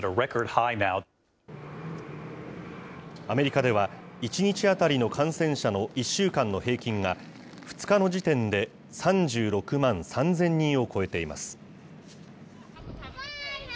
アメリカでは、１日当たりの感染者の１週間の平均が、２日の時点で３６万３０００人を超えています。